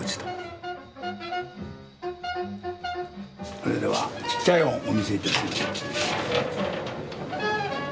それではちっちゃい方をお見せ致しましょう。